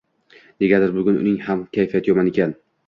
Negadir bugun uning ham kayfiyati yomon ekan